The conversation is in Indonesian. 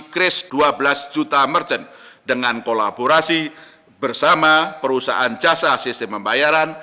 kris dua belas juta merchant dengan kolaborasi bersama perusahaan jasa sistem pembayaran